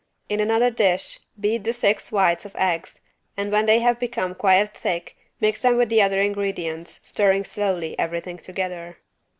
In another dish beat the six whites of egg and when they have become quite thick mix them with other ingredients stirring slowly everything together.